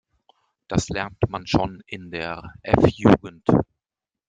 Das lernt man schon in der F-Jugend.